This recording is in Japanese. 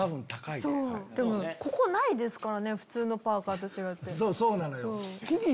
でもここないですからね普通のパーカと違って。